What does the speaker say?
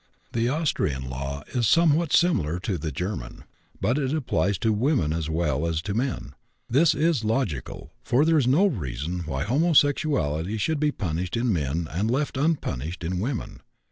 The Austrian law is somewhat similar to the German, but it applies to women as well as to men; this is logical, for there is no reason why homosexuality should be punished in men and left unpunished in women.